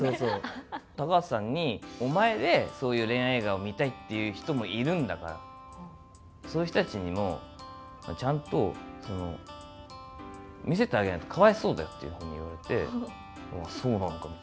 タカハタさんに、お前でそういう恋愛映画を見たいっていう人もいるんだから、そういう人たちにもちゃんと見せてあげないとかわいそうだよっていうふうに言われて、そうなのかって。